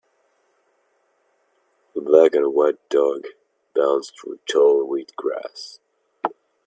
A black and white dog bounds through tall wheat grass.